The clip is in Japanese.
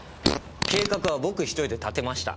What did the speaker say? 計画は僕１人で立てました。